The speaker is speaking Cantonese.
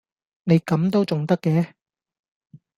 你噉都重得嘅